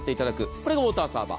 これがウォーターサーバー。